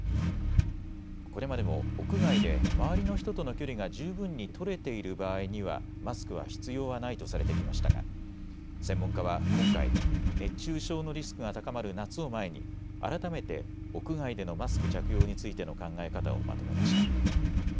これまでも屋外で周りの人との距離が十分に取れている場合にはマスクは必要はないとされてきましたが専門家は今回、熱中症のリスクが高まる夏を前に改めて屋外でのマスク着用についての考え方をまとめました。